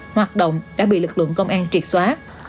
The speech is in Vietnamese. hoạt động đã bị lực lượng công an triệt xóa